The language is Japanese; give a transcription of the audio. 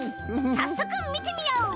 さっそくみてみよう。